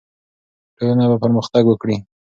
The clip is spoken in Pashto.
ټولنه به پرمختګ وکړي.